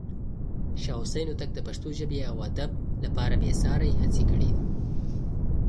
شاه حسين هوتک د پښتو ژبې او ادب لپاره بې ساری هڅې کړې.